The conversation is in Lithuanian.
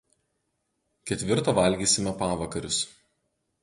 ketvirtą valgysime pavakarius